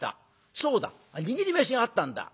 「そうだ握り飯があったんだ！」。